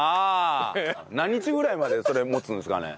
何日ぐらいまでそれ持つんですかね？